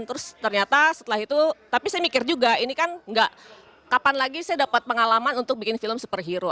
terus ternyata setelah itu tapi saya mikir juga ini kan nggak kapan lagi saya dapat pengalaman untuk bikin film superhero